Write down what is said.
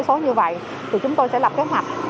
số như vậy thì chúng tôi sẽ lập kế hoạch